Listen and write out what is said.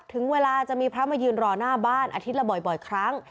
ถึงเวลาจะมีพระมายืนรอหน้าบ้านอาทิตย์ละบ่อยครั้ง